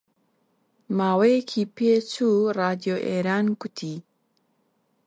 ماوەیەکی پێچوو ڕادیۆ ئێران گوتی: